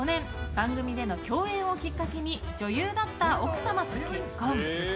番組での共演をきっかけに女優だった奥様と結婚。